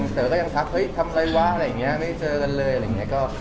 เถอะก็ยังพักทำอะไรวะไม่เจอกันเลย